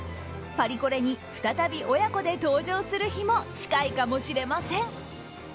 パリコレに再び親子で登場する日も近いかもしれません。